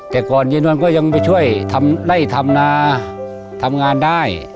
แต่ก่อนเย็นวันก็ยังไปช่วยทำไล่ทำนาทำงานได้